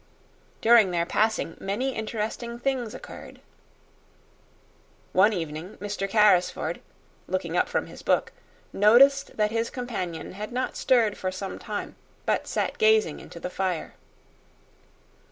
During their passing many interesting things occurred. One evening, Mr. Carrisford, looking up from his book, noticed that his companion had not stirred for some time, but sat gazing into the fire.